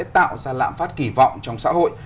tạo ra lạm phát kỳ vọng trong xã hội